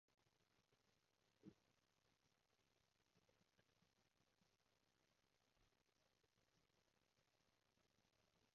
我已經叫住佢哋唔好拎老母買嗰三盒汁煮帆立貝，話未必出到境，佢哋唔聽我講